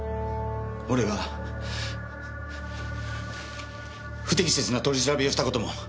俺が不適切な取り調べをした事も。